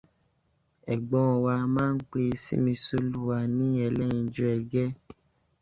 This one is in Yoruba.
Ẹ̀gbọ́n wa a máa pe Similólúwa ní ẹlẹ́yinjú ẹgẹ.